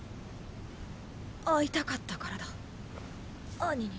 会いたかったからだアニに。